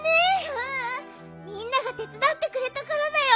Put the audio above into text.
ううんみんながてつだってくれたからだよ。